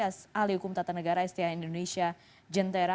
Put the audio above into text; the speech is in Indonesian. alihukum tata negara sti indonesia jentera